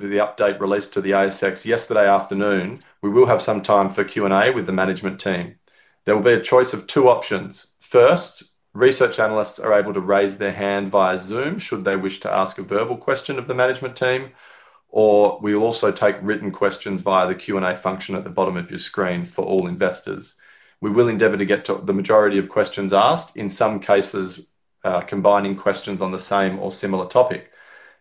With the update released to the ASX yesterday afterrnoon, we will have some time for Q&A with the management team. There will be a choice of two options. First, research analysts are able to raise their hand via Zoom should they wish to ask a verbal question of the management team, or we will also take written questions via the Q&A function at the bottom of your screen for all investors. We will endeavor to get the majority of questions asked, in some cases, combining questions on the same or similar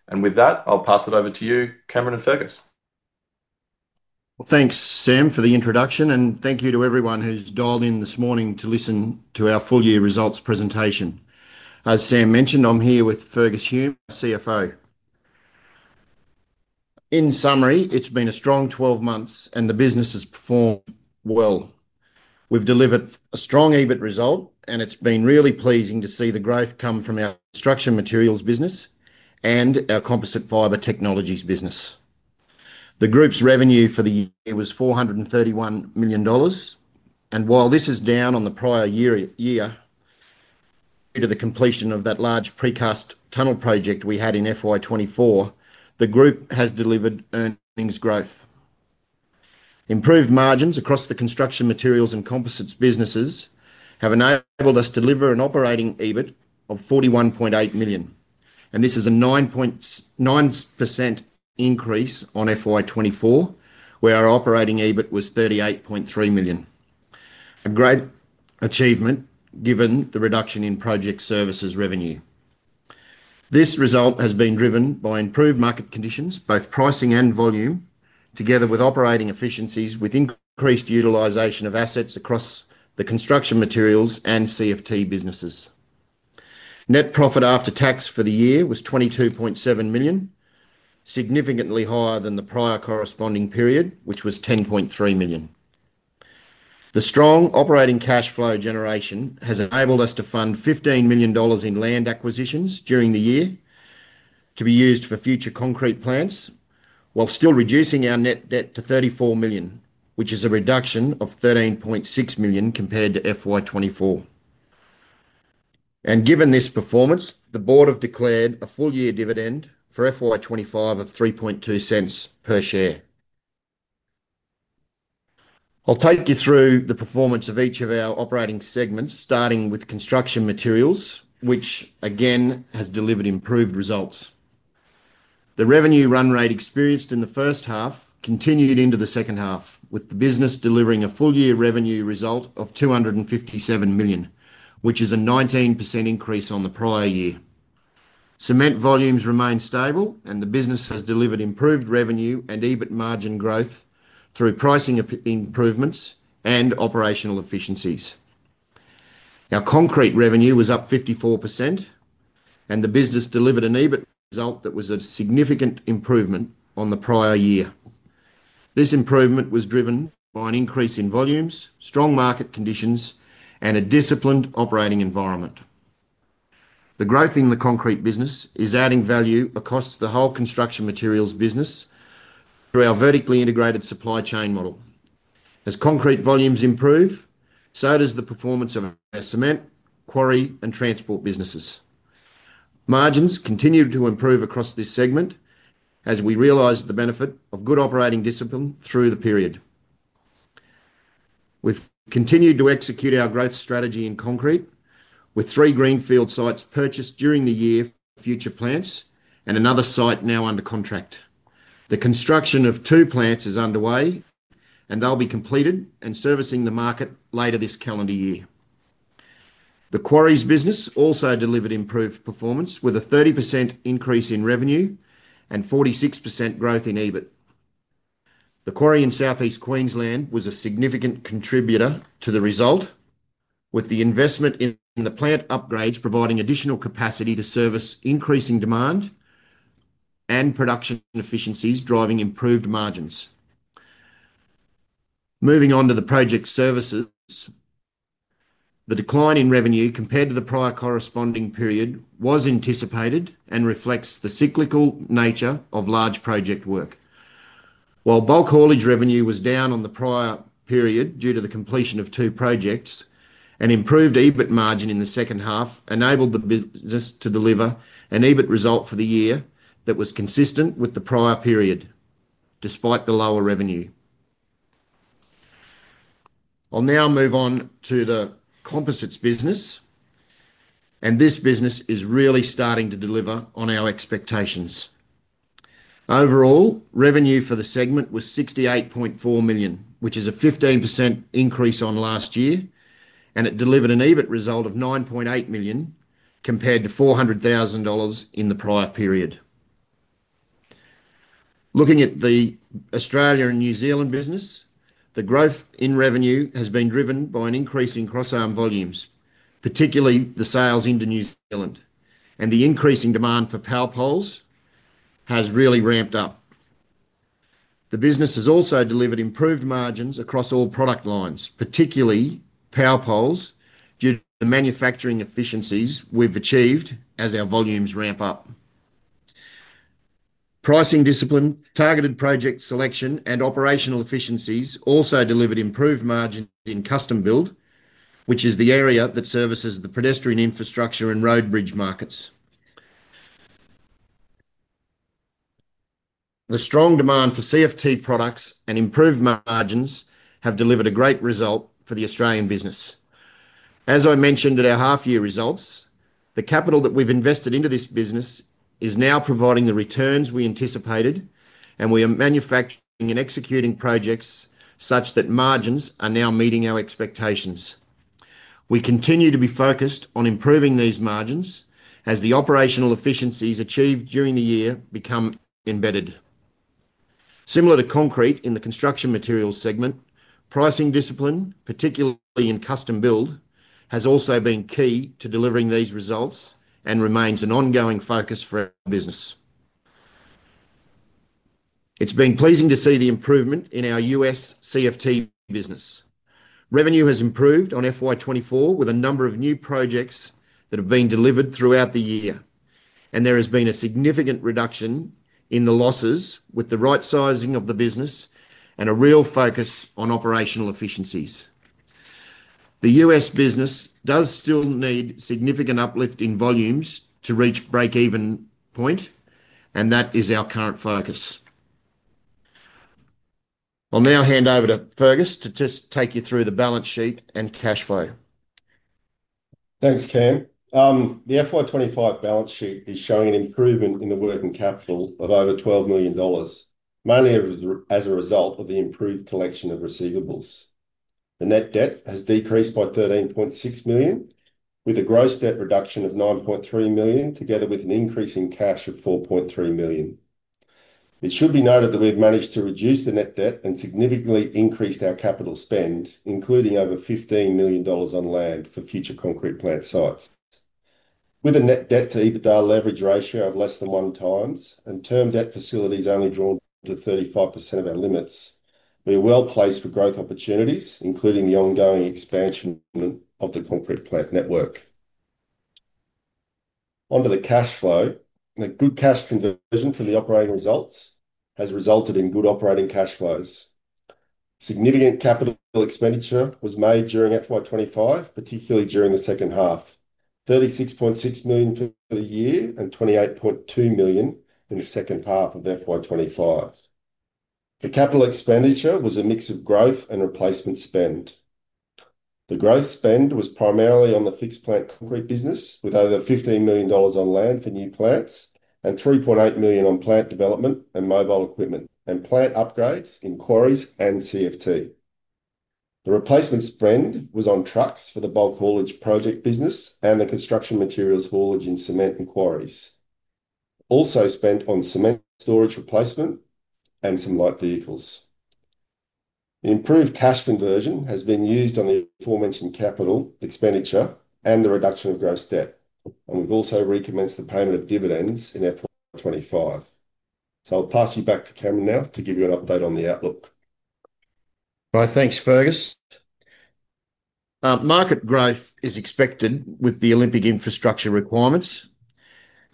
topic. With that, I'll pass it over to you, Cameron and Fergus. Thank you, Sam, for the introduction, and thank you to everyone who's dialed in this morning to listen to our full-year results presentation. As Sam mentioned, I'm here with Fergus Hume, CFO. In summary, it's been a strong 12 months, and the business has performed well. We've delivered a strong EBIT result, and it's been really pleasing to see the growth come from our construction materials business and our composite fibre technology business. The group's revenue for the year was 431 million dollars, and while this is down on the prior year due to the completion of that large precast tunnel project we had in FY 2024, the group has delivered earnings growth. Improved margins across the construction materials and composites businesses have enabled us to deliver an operating EBIT of 41.8 million, and this is a 9.9% increase on FY 2024, where our operating EBIT was 38.3 million. This is a great achievement given the reduction in project services revenue. This result has been driven by improved market conditions, both pricing and volume, together with operating efficiencies with increased utilization of assets across the construction materials and CFT businesses. Net profit after tax for the year was 22.7 million, significantly higher than the prior corresponding period, which was 10.3 million. The strong operating cash flow generation has enabled us to fund 15 million dollars in land acquisitions during the year to be used for future concrete plants while still reducing our net debt to 34 million, which is a reduction of 13.6 million compared to FY 2024. Given this performance, the board have declared a full-year dividend for FY 2025 of 3.2 per share. I'll take you through the performance of each of our operating segments, starting with construction materials, which again has delivered improved results. The revenue run rate experienced in the first half continued into the second half, with the business delivering a full-year revenue result of 257 million, which is a 19% increase on the prior year. Cement volumes remain stable, and the business has delivered improved revenue and EBIT margin growth through pricing improvements and operational efficiencies. Our concrete revenue was up 54%, and the business delivered an EBIT result that was a significant improvement on the prior year. This improvement was driven by an increase in volumes, strong market conditions, and a disciplined operating environment. The growth in the concrete business is adding value across the whole construction materials business through our vertically integrated supply chain model. As concrete volumes improve, so does the performance of our cement, quarry, and transport businesses. Margins continue to improve across this segment as we realize the benefit of good operating discipline through the period. We've continued to execute our growth strategy in concrete, with three greenfield sites purchased during the year for future plants and another site now under contract. The construction of two plants is underway, and they'll be completed and servicing the market later this calendar year. The quarries business also delivered improved performance with a 30% increase in revenue and 46% growth in EBIT. The quarry in Southeast Queensland was a significant contributor to the result, with the investment in the plant upgrades providing additional capacity to service increasing demand and production efficiencies, driving improved margins. Moving on to the project services, the decline in revenue compared to the prior corresponding period was anticipated and reflects the cyclical nature of large project work. While bulk haulage revenue was down on the prior period due to the completion of two projects, an improved EBIT margin in the second half enabled the business to deliver an EBIT result for the year that was consistent with the prior period, despite the lower revenue. I'll now move on to the composites business, and this business is really starting to deliver on our expectations. Overall, revenue for the segment was 68.4 million, which is a 15% increase on last year, and it delivered an EBIT result of 9.8 million compared to 400,000 dollars in the prior period. Looking at the Australia and New Zealand business, the growth in revenue has been driven by an increase in cross-arm volumes, particularly the sales into New Zealand, and the increasing demand for power poles has really ramped up. The business has also delivered improved margins across all product lines, particularly power poles, due to the manufacturing efficiencies we've achieved as our volumes ramp up. Pricing discipline, targeted project selection, and operational efficiencies also delivered improved margins in custom build, which is the area that services the pedestrian infrastructure and road bridge markets. The strong demand for CFT products and improved margins have delivered a great result for the Australian business. As I mentioned at our half-year results, the capital that we've invested into this business is now providing the returns we anticipated, and we are manufacturing and executing projects such that margins are now meeting our expectations. We continue to be focused on improving these margins as the operational efficiencies achieved during the year become embedded. Similar to concrete in the construction materials segment, pricing discipline, particularly in custom build, has also been key to delivering these results and remains an ongoing focus for our business. It's been pleasing to see the improvement in our U.S. CFT business. Revenue has improved on FY 2024 with a number of new projects that have been delivered throughout the year, and there has been a significant reduction in the losses with the right sizing of the business and a real focus on operational efficiencies. The U.S. business does still need significant uplift in volumes to reach the break-even point, and that is our current focus. I'll now hand over to Fergus to take you through the balance sheet and cash flow. Thanks, Cameron. The FY 2025 balance sheet is showing an improvement in the working capital of over 12 million dollars, mainly as a result of the improved collection of receivables. The net debt has decreased by 13.6 million, with a gross debt reduction of 9.3 million, together with an increase in cash of 4.3 million. It should be noted that we've managed to reduce the net debt and significantly increased our capital spend, including over 15 million dollars on land for future concrete plant sites. With a net debt to EBITDA leverage ratio of less than 1x and term debt facilities only drawn to 35% of our limits, we are well placed for growth opportunities, including the ongoing expansion of the concrete plant network. Onto the cash flow, a good cash conversion from the operating results has resulted in good operating cash flows. Significant capital expenditure was made during FY 2025, particularly during the second half: 36.6 million for the year and 28.2 million in the second half of FY 2025. The capital expenditure was a mix of growth and replacement spend. The growth spend was primarily on the fixed plant concrete business, with over AUD 15 million on land for new plants and AUD 3.8 million on plant development and mobile equipment and plant upgrades in quarries and CFT. The replacement spend was on trucks for the bulk haulage project business and the construction materials haulage in cement and quarries. Also spent on cement storage replacement and some light vehicles. The improved cash conversion has been used on the aforementioned capital expenditure and the reduction of gross debt, and we've also recommenced the payment of dividends in FY 2025. I'll pass you back to Cameron now to give you an update on the outlook. Right, thanks, Fergus. Market growth is expected with the Olympic infrastructure requirements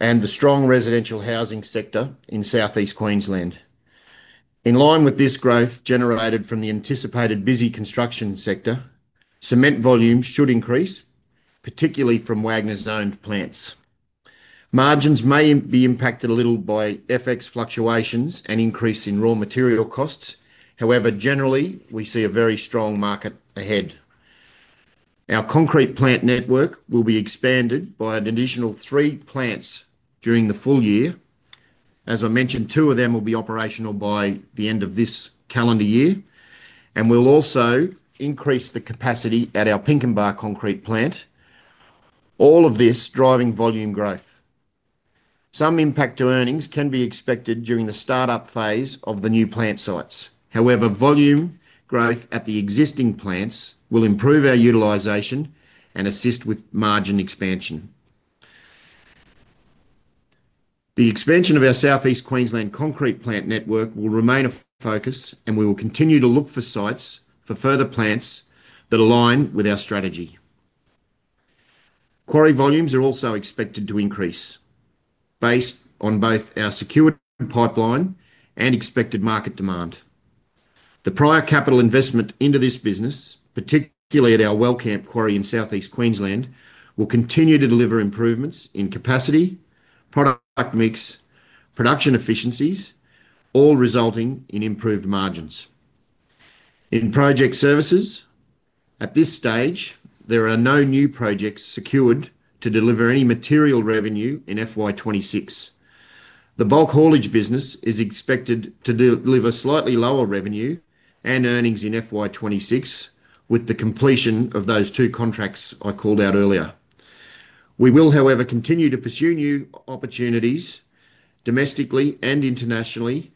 and the strong residential housing sector in Southeast Queensland. In line with this growth generated from the anticipated busy construction sector, cement volumes should increase, particularly from Wagners owned plants. Margins may be impacted a little by FX fluctuations and increase in raw material costs, however, generally, we see a very strong market ahead. Our concrete plant network will be expanded by an additional three plants during the full year. As I mentioned, two of them will be operational by the end of this calendar year, and we'll also increase the capacity at our Pinkenba concrete plant, all of this driving volume growth. Some impact to earnings can be expected during the startup phase of the new plant sites. However, volume growth at the existing plants will improve our utilization and assist with margin expansion. The expansion of our Southeast Queensland concrete plant network will remain a focus, and we will continue to look for sites for further plants that align with our strategy. Quarry volumes are also expected to increase based on both our secured pipeline and expected market demand. The prior capital investment into this business, particularly at our Wellcamp quarry in Southeast Queensland, will continue to deliver improvements in capacity, product mix, and production efficiencies, all resulting in improved margins. In project services, at this stage, there are no new projects secured to deliver any material revenue in FY 2026. The bulk haulage business is expected to deliver slightly lower revenue and earnings in FY 2026 with the completion of those two contracts I called out earlier. We will, however, continue to pursue new opportunities domestically and internationally,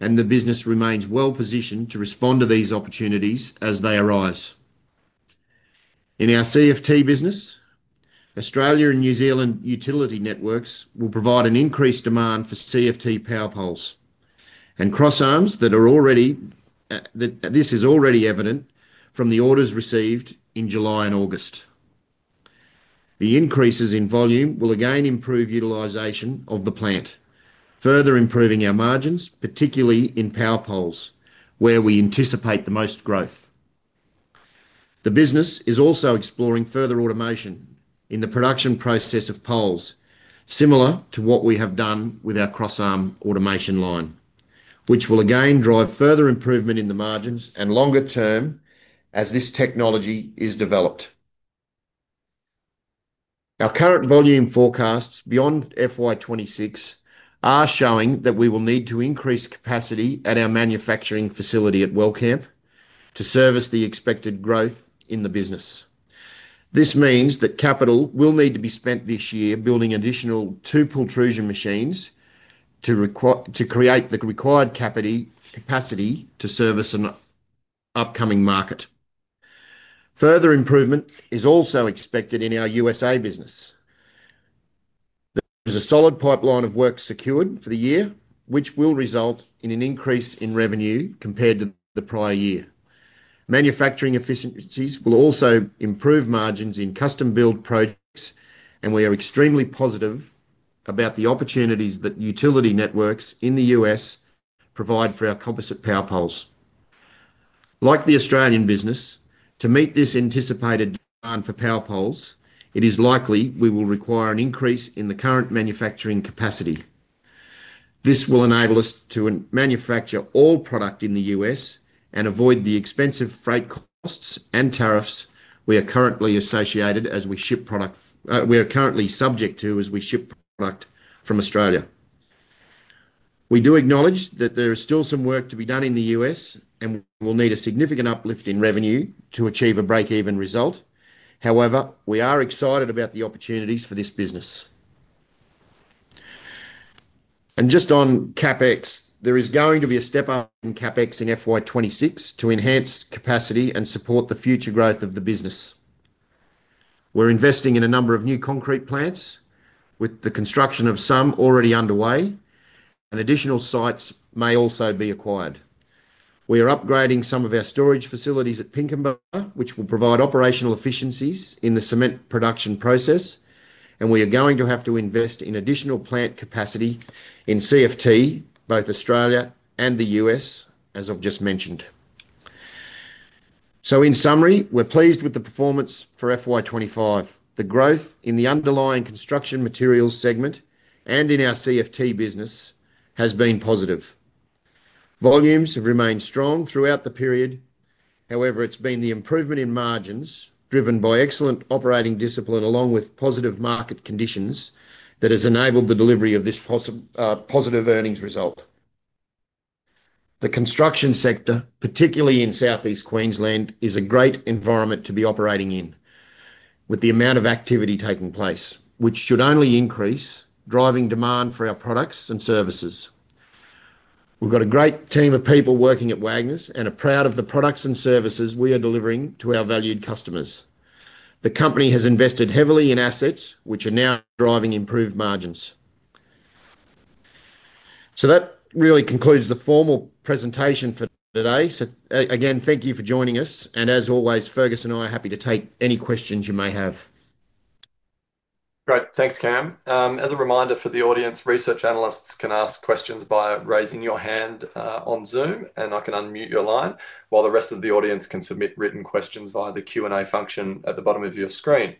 and the business remains well positioned to respond to these opportunities as they arise. In our CFT business, Australia and New Zealand utility networks will provide an increased demand for CFT power poles and cross-arms that is already evident from the orders received in July and August. The increases in volume will again improve utilization of the plant, further improving our margins, particularly in power poles, where we anticipate the most growth. The business is also exploring further automation in the production process of poles, similar to what we have done with our cross-arm automation line, which will again drive further improvement in the margins and longer term as this technology is developed. Our current volume forecasts beyond FY 2026 are showing that we will need to increase capacity at our manufacturing facility at Wellcamp to service the expected growth in the business. This means that capital will need to be spent this year building an additional two pultrusion machines to create the required capacity to service an upcoming market. Further improvement is also expected in our U.S.A. business. There's a solid pipeline of work secured for the year, which will result in an increase in revenue compared to the prior year. Manufacturing efficiencies will also improve margins in custom build projects, and we are extremely positive about the opportunities that utility networks in the U.S. provide for our composite power poles. Like the Australian business, to meet this anticipated demand for power poles, it is likely we will require an increase in the current manufacturing capacity. This will enable us to manufacture all product in the U.S. and avoid the expensive freight costs and tariffs we are currently subject to as we ship product from Australia. We do acknowledge that there is still some work to be done in the U.S. and will need a significant uplift in revenue to achieve a break-even result. However, we are excited about the opportunities for this business. Just on CapEx, there is going to be a step up in CapEx in FY 2026 to enhance capacity and support the future growth of the business. We're investing in a number of new concrete plants with the construction of some already underway, and additional sites may also be acquired. We are upgrading some of our storage facilities at Pinkenba, which will provide operational efficiencies in the cement production process, and we are going to have to invest in additional plant capacity in CFT, both Australia and the U.S., as I've just mentioned. In summary, we're pleased with the performance for FY 2025. The growth in the underlying construction materials segment and in our CFT business has been positive. Volumes have remained strong throughout the period, and it's been the improvement in margins driven by excellent operating discipline, along with positive market conditions, that has enabled the delivery of this positive earnings result. The construction sector, particularly in Southeast Queensland, is a great environment to be operating in with the amount of activity taking place, which should only increase, driving demand for our products and services. We've got a great team of people working at Wagners and are proud of the products and services we are delivering to our valued customers. The company has invested heavily in assets, which are now driving improved margins. That really concludes the formal presentation for today. Again, thank you for joining us, and as always, Fergus and I are happy to take any questions you may have. Great, thanks, Cam. As a reminder for the audience, research analysts can ask questions by raising your hand on Zoom, and I can unmute your line, while the rest of the audience can submit written questions via the Q&A function at the bottom of your screen.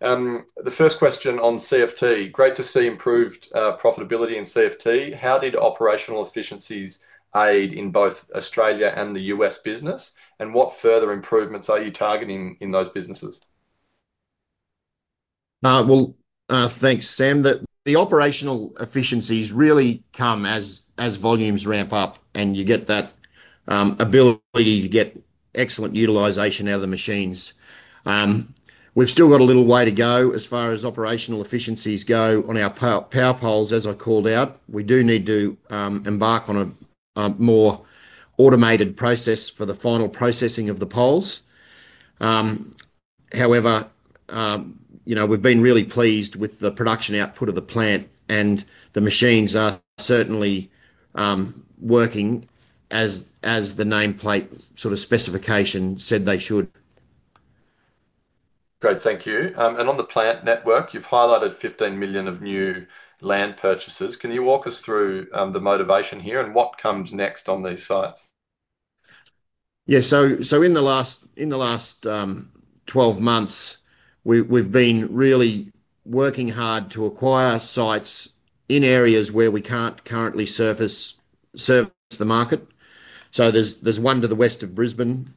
The first question on CFT: great to see improved profitability in CFT. How did operational efficiencies aid in both Australia and the U.S. business, and what further improvements are you targeting in those businesses? Thanks, Sam. The operational efficiencies really come as volumes ramp up, and you get that ability to get excellent utilization out of the machines. We've still got a little way to go as far as operational efficiencies go on our power poles, as I called out. We do need to embark on a more automated process for the final processing of the poles. However, we've been really pleased with the production output of the plant, and the machines are certainly working as the nameplate sort of specification said they should. Great, thank you. On the plant network, you've highlighted 15 million of new land purchases. Can you walk us through the motivation here and what comes next on these sites? Yeah, in the last 12 months, we've been really working hard to acquire sites in areas where we can't currently service the market. There's one to the west of Brisbane,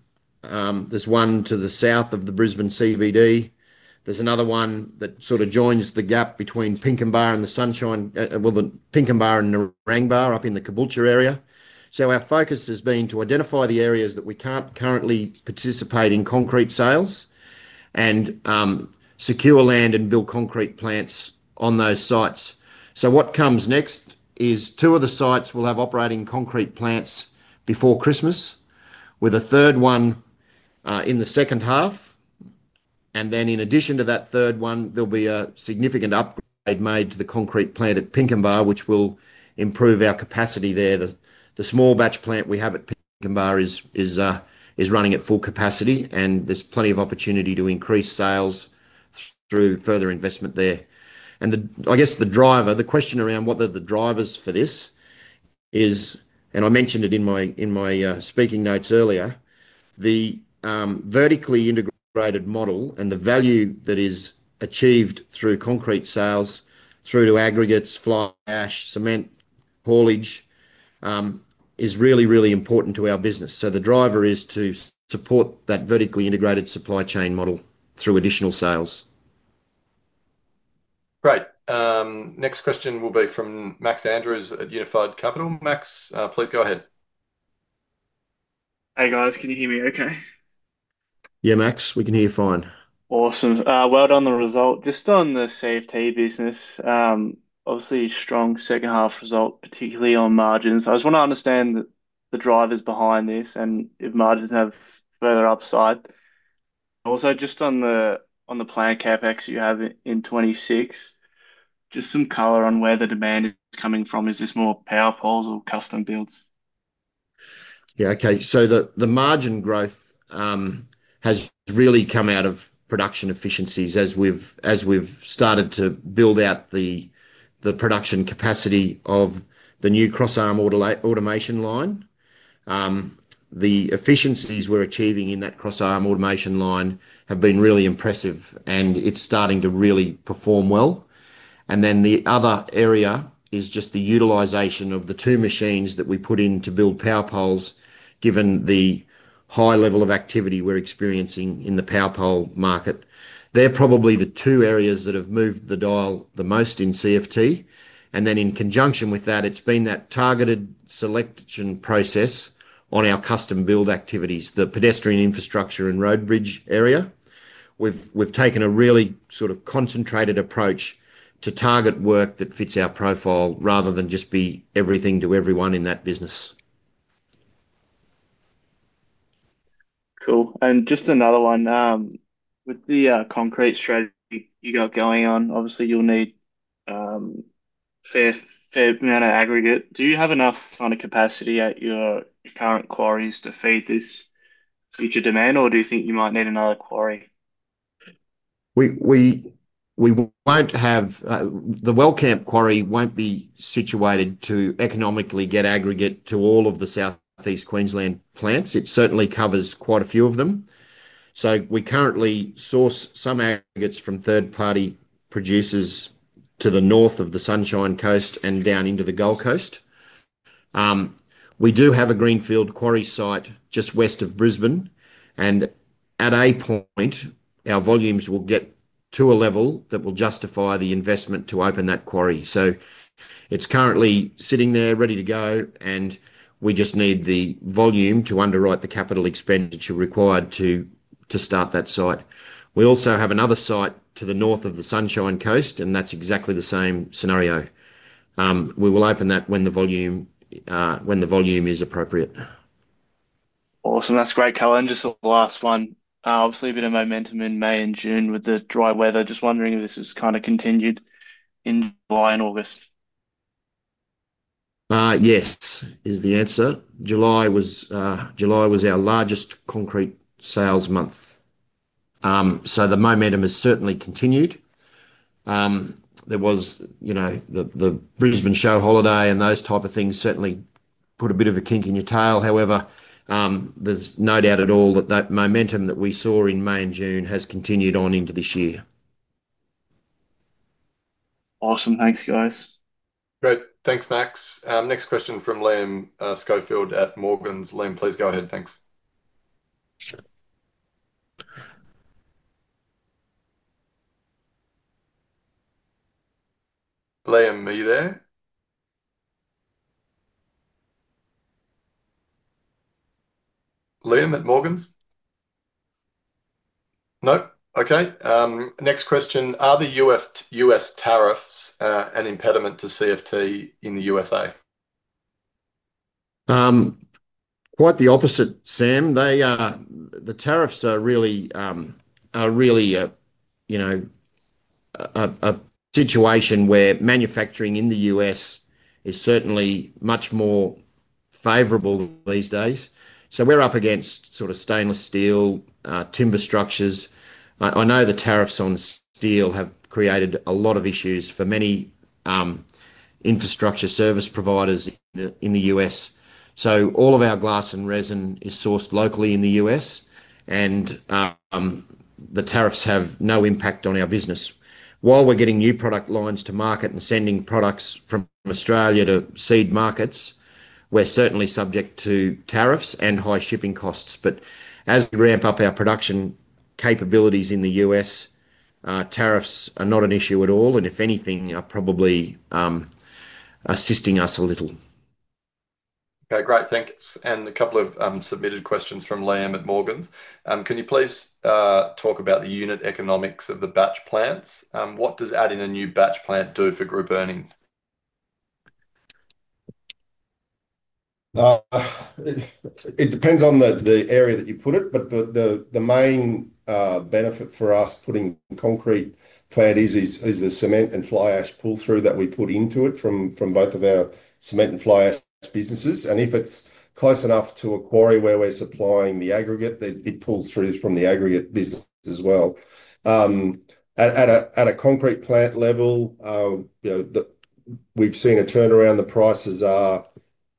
there's one to the south of the Brisbane CBD, and there's another one that joins the gap between Pinkenba and Narangba up in the Caboolture area. Our focus has been to identify the areas that we can't currently participate in concrete sales and secure land and build concrete plants on those sites. What comes next is two of the sites will have operating concrete plants before Christmas, with a third one in the second half. In addition to that third one, there'll be a significant upgrade made to the concrete plant at Pinkenba which will improve our capacity there. The small batch plant we have at Pinkenba is running at full capacity, and there's plenty of opportunity to increase sales through further investment there. The driver, the question around what are the drivers for this is, and I mentioned it in my speaking notes earlier, the vertically integrated model and the value that is achieved through concrete sales, through to aggregates, fly ash, cement, haulage, is really, really important to our business. The driver is to support that vertically integrated supply chain model through additional sales. Great. Next question will be from Max Andrews at Unified Capital. Max, please go ahead. Hey guys, can you hear me okay? Yeah, Max, we can hear you fine. Awesome. Well done on the result. Just on the CFT business, obviously strong second half result, particularly on margins. I just want to understand the drivers behind this and if margins have further upside. Also, just on the plant CapEx you have in 2026, just some color on where the demand is coming from. Is this more power poles or custom builds? Yeah, okay. The margin growth has really come out of production efficiencies as we've started to build out the production capacity of the new cross-arm automation line. The efficiencies we're achieving in that cross-arm automation line have been really impressive, and it's starting to really perform well. The other area is just the utilization of the two machines that we put in to build power poles, given the high level of activity we're experiencing in the power pole market. They're probably the two areas that have moved the dial the most in CFT. In conjunction with that, it's been that targeted selection process on our custom build activities, the pedestrian infrastructure and road bridge area. We've taken a really sort of concentrated approach to target work that fits our profile rather than just be everything to everyone in that business. Cool. Just another one, with the concrete strategy you've got going on, obviously you'll need a fair amount of aggregate. Do you have enough kind of capacity at your current quarries to feed this future demand, or do you think you might need another quarry? We won't have, the Wellcamp quarry won't be situated to economically get aggregate to all of the Southeast Queensland plants. It certainly covers quite a few of them. We currently source some aggregates from third-party producers to the north of the Sunshine Coast and down into the Gold Coast. We do have a greenfield quarry site just west of Brisbane, and at a point, our volumes will get to a level that will justify the investment to open that quarry. It's currently sitting there ready to go, and we just need the volume to underwrite the capital expenditure required to start that site. We also have another site to the north of the Sunshine Coast, and that's exactly the same scenario. We will open that when the volume is appropriate. Awesome, that's great, Cameron. Just the last one. Obviously, a bit of momentum in May and June with the dry weather. Just wondering if this has kind of continued in July and August. Yes, is the answer. July was our largest concrete sales month. The momentum has certainly continued. There was the Brisbane show holiday and those types of things certainly put a bit of a kink in your tail. However, there's no doubt at all that that momentum that we saw in May and June has continued on into this year. Awesome, thanks guys. Great, thanks Max. Next question from Liam Schofield at Morgans. Liam, please go ahead, thanks. Liam, are you there? Liam at Morgans? No, okay. Next question. Are the U.S. tariffs an impediment to CFT in the U.S.? Quite the opposite, Sam. The tariffs are really a situation where manufacturing in the U.S. is certainly much more favorable these days. We're up against sort of stainless steel, timber structures. I know the tariffs on steel have created a lot of issues for many infrastructure service providers in the U.S. All of our glass and resin is sourced locally in the U.S., and the tariffs have no impact on our business. While we're getting new product lines to market and sending products from Australia to seed markets, we're certainly subject to tariffs and high shipping costs. As we ramp up our production capabilities in the U.S., tariffs are not an issue at all and, if anything, are probably assisting us a little. Okay, great, thanks. A couple of submitted questions from Liam at Morgans. Can you please talk about the unit economics of the batch plants? What does adding a new batch plant do for group earnings? It depends on the area that you put it, but the main benefit for us putting a concrete plant is the cement and fly ash pull-through that we put into it from both of our cement and fly ash businesses. If it's close enough to a quarry where we're supplying the aggregate, it pulls through from the aggregate business as well. At a concrete plant level, we've seen a turnaround. The prices are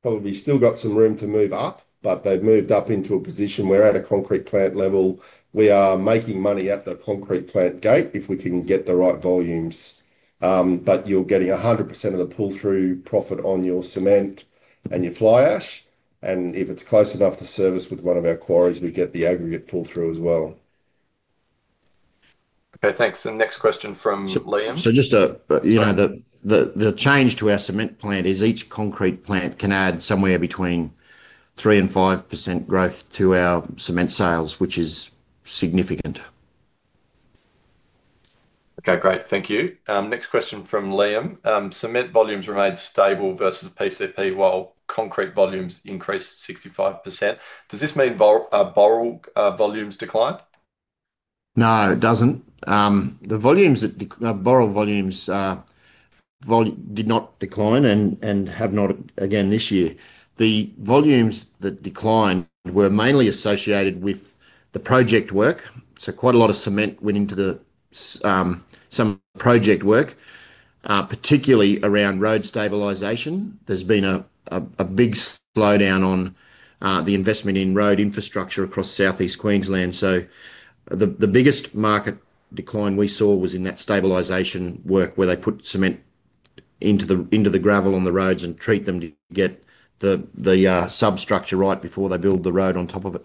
probably still got some room to move up, but they've moved up into a position where at a concrete plant level, we are making money at the concrete plant gate if we can get the right volumes. You're getting 100% of the pull-through profit on your cement and your fly ash. If it's close enough to service with one of our quarries, we get the aggregate pull-through as well. Okay, thanks. Next question from Liam... The change to our cement plant is each concrete plant can add somewhere between 3%-inance5% growth to our cement sales, which is significant. Okay, great, thank you. Next question from Liam. Cement volumes remain stable versus PCP while concrete volumes increased 65%. Does this mean borrow volumes declined? No, it doesn't. The volumes that borrow volumes did not decline and have not again this year. The volumes that declined were mainly associated with the project work. Quite a lot of cement went into some project work, particularly around road stabilization. There's been a big slowdown on the investment in road infrastructure across Southeast Queensland. The biggest market decline we saw was in that stabilization work where they put cement into the gravel on the roads and treat them to get the substructure right before they build the road on top of it.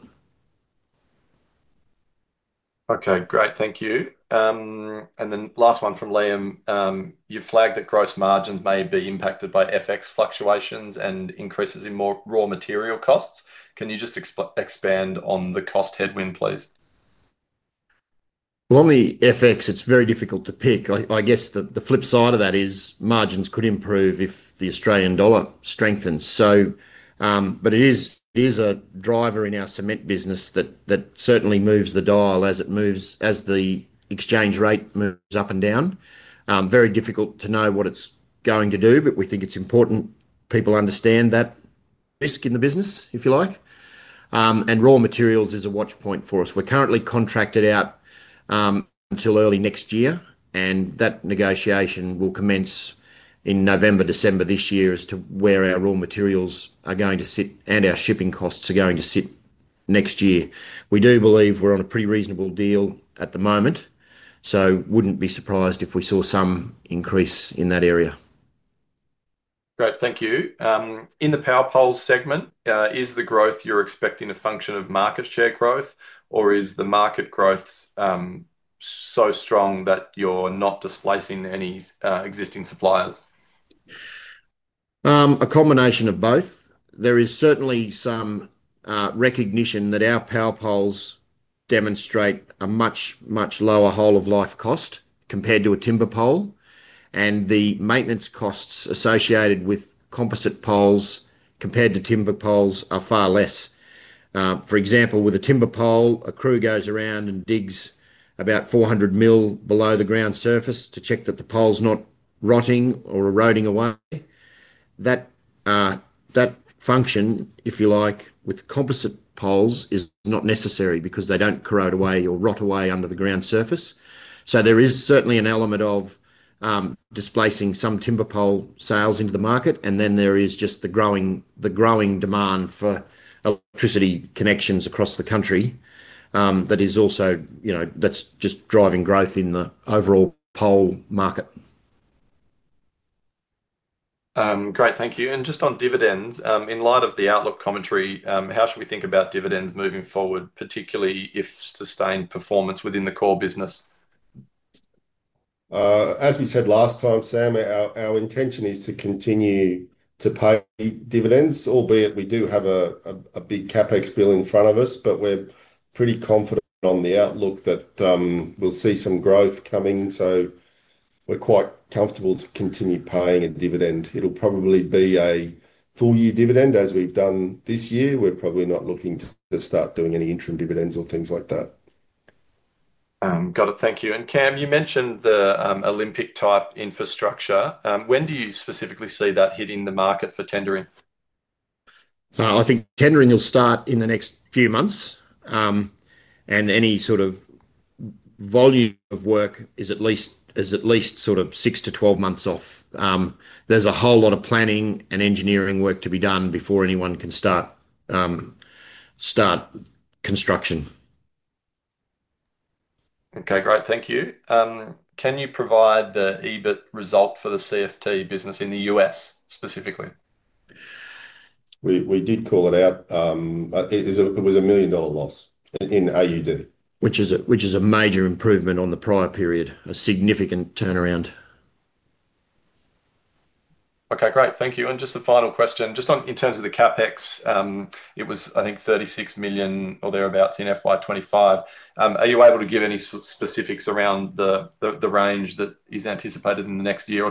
Okay, great, thank you. Last one from Liam. You've flagged that gross margins may be impacted by FX fluctuations and increases in more raw material costs. Can you just expand on the cost headwind, please? On the FX, it's very difficult to pick. I guess the flip side of that is margins could improve if the Australian dollar strengthens. It is a driver in our cement business that certainly moves the dial as it moves, as the exchange rate moves up and down. It is very difficult to know what it's going to do, but we think it's important people understand that risk in the business, if you like. Raw materials is a watch point for us. We're currently contracted out until early next year, and that negotiation will commence in November, December this year as to where our raw materials are going to sit and our shipping costs are going to sit next year. We do believe we're on a pretty reasonable deal at the moment, so wouldn't be surprised if we saw some increase in that area. Great, thank you. In the power pole segment, is the growth you're expecting a function of market share growth, or is the market growth so strong that you're not displacing any existing suppliers? A combination of both. There is certainly some recognition that our power poles demonstrate a much, much lower whole-of-life cost compared to a timber pole, and the maintenance costs associated with composite poles compared to timber poles are far less. For example, with a timber pole, a crew goes around and digs about 400 mm below the ground surface to check that the pole's not rotting or eroding away. That function, if you like, with composite poles is not necessary because they don't corrode away or rot away under the ground surface. There is certainly an element of displacing some timber pole sales into the market, and there is just the growing demand for electricity connections across the country that is also driving growth in the overall pole market. Thank you. Just on dividends, in light of the outlook commentary, how should we think about dividends moving forward, particularly if sustained performance within the core business? As we said last time, Sam, our intention is to continue to pay dividends, albeit we do have a big CapEx bill in front of us, but we're pretty confident on the outlook that we'll see some growth coming. We're quite comfortable to continue paying a dividend. It'll probably be a full-year dividend as we've done this year. We're probably not looking to start doing any interim dividends or things like that. Got it, thank you. Cam, you mentioned the Olympic type infrastructure. When do you specifically see that hitting the market for tendering? I think tendering will start in the next few months, and any sort of volume of work is at least 6-12 months off. There's a whole lot of planning and engineering work to be done before anyone can start construction. Okay, great, thank you. Can you provide the EBIT result for the CFT business in the U.S. specifically? We did call it out. It was a 1 million dollar loss in AUD. Which is a major improvement on the prior period, a significant turnaround. Okay, great, thank you. Just a final question, in terms of the CapEx, it was, I think, 36 million or thereabouts in FY 2025. Are you able to give any specifics around the range that is anticipated in the next year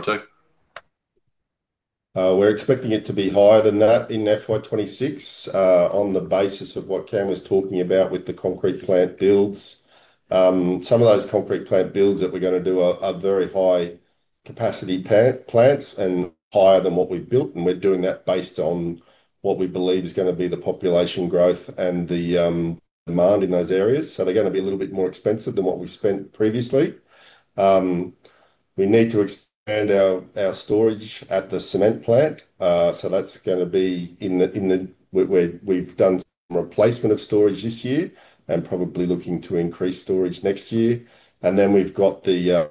or two? We're expecting it to be higher than that in FY 2026 on the basis of what Cam was talking about with the concrete plant builds. Some of those concrete plant builds that we're going to do are very high capacity plants and higher than what we've built, and we're doing that based on what we believe is going to be the population growth and the demand in those areas. They're going to be a little bit more expensive than what we spent previously. We need to expand our storage at the cement plant, that's going to be in the, we've done some replacement of storage this year and probably looking to increase storage next year. We've got the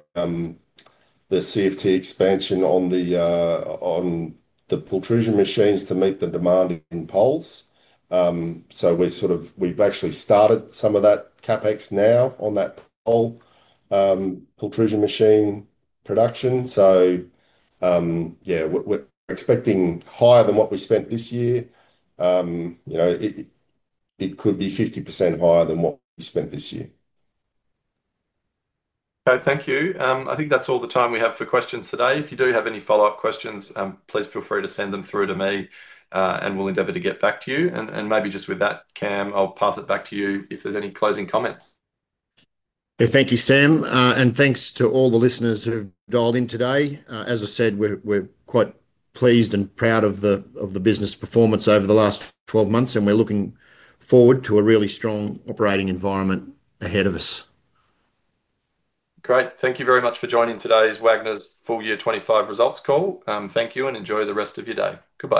CFT expansion on the protrusion machines to meet the demand in poles. We've actually started some of that CapEx now on that pole protrusion machine production. We're expecting higher than what we spent this year. It could be 50% higher than what we spent this year. Thank you. I think that's all the time we have for questions today. If you do have any follow-up questions, please feel free to send them through to me, and we'll endeavor to get back to you. With that, Cam, I'll pass it back to you if there's any closing comments. Thank you, Sam, and thanks to all the listeners who have dialed in today. As I said, we're quite pleased and proud of the business performance over the last 12 months, and we're looking forward to a really strong operating environment ahead of us. Great, thank you very much for joining today's Wagners' Full-Year 2025 Results Call. Thank you and enjoy the rest of your day. Goodbye.